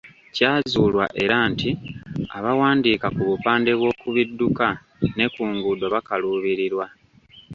Kyazuulwa era nti abawandiika ku bupande bw’oku bidduka ne ku nguudo bakaluubirirwa.